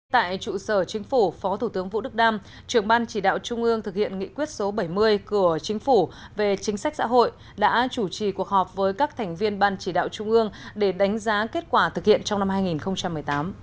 tại trụ sở chính phủ phó thủ tướng vũ đức đam trưởng ban chỉ đạo trung ương thực hiện nghị quyết số bảy mươi của chính phủ về chính sách xã hội đã chủ trì cuộc họp với các thành viên ban chỉ đạo trung ương để đánh giá kết quả thực hiện trong năm hai nghìn một mươi tám